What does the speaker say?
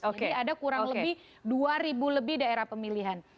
jadi ada kurang lebih dua ribu lebih daerah pemilihan